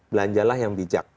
belanjalah yang bijak